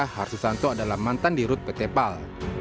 yang mantan di rute pt pal